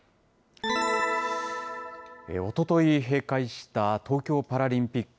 おととい閉会した東京パラリンピック。